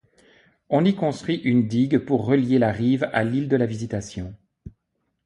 On y construit une digue pour relier la rive à l'île de la Visitation.